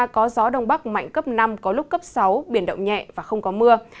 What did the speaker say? có gió đông bắc mạnh cấp năm có lúc cấp sáu biển động nhẹ và không có mưa